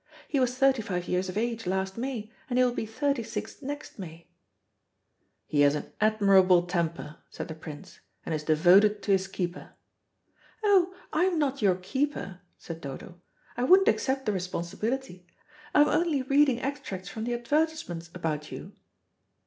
He was thirty five years of age last May, and will be thirty six next May." "He has an admirable temper," said the Prince, "and is devoted to his keeper." "Oh, I'm not your keeper," said Dodo. "I wouldn't accept the responsibility. I'm only reading extracts from the advertisement about you."